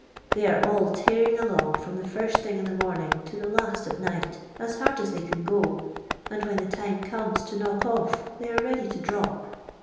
They are ali tearin ,' along from the tirst thing in the morning to the last at night, as hard as they can po, and when the time comes to knock off they are ready to liri p.